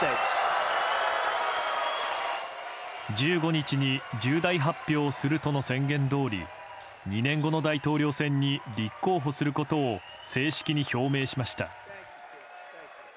１５日に重大発表をするとの宣言どおり２年後の大統領選に立候補することを正式に表明しました。